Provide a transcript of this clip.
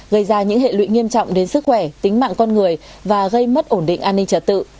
gây ra những hệ lụy nghiêm trọng đến sức khỏe tính mạng con người và gây mất ổn định an ninh trật tự